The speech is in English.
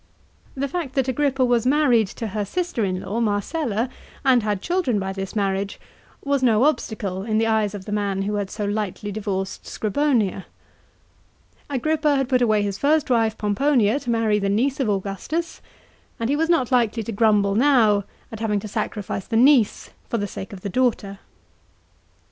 The fact that Agrippa was married to her sister in law Marcella, and had children by this marriage, was no obstacle in the eyes of the man who had so lightly divorced Scribonia. Agrippa had put away his first wife Pomponia to marry the niece of Augustus, and he was not likely to grumble now at having to sacrifice the niece for the sake of the daughter.